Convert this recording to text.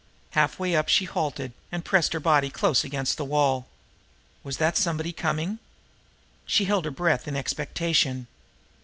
Halfway up she halted and pressed her body close against the wall. Was that somebody coming? She held her breath in expectation.